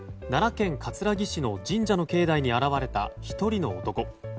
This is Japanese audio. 奈良県葛城市の神社の境内に現れた１人の男。